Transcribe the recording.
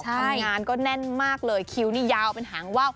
คุณกัจดงานแน่นมากเลยคิ้วนี่ยาวเป็นหางไว้